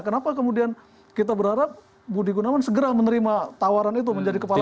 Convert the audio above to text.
kenapa kemudian kita berharap budi gunawan segera menerima tawaran itu menjadi kepala